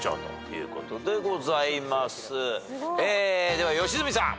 では良純さん。